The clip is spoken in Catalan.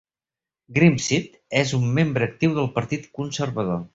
Grimseth és un membre actiu del Partit Conservador.